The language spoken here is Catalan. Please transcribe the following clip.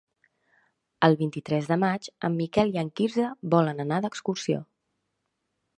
El vint-i-tres de maig en Miquel i en Quirze volen anar d'excursió.